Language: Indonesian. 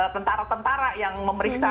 tentara tentara yang memeriksa